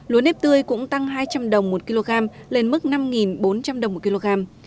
lúa nếp tươi cũng tăng hai trăm linh đồng một kg lên mức năm bốn trăm linh đồng một kg